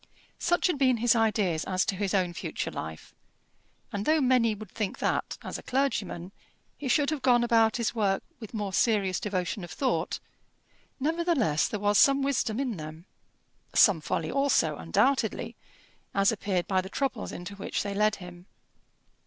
Such had been his ideas as to his own future life; and though many would think that as a clergyman he should have gone about his work with more serious devotion of thought, nevertheless there was some wisdom in them; some folly also, undoubtedly, as appeared by the troubles into which they led him.